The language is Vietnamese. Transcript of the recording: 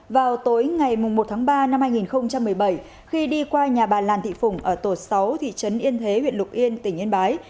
vào tối ngày một tháng ba năm hai nghìn một mươi bảy khi đi qua nhà bà làn thị phùng ở tổ sáu thị trấn yên thế huyện lục yên tỉnh yên bái